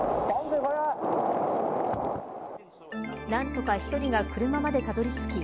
何とか１人が車までたどり着き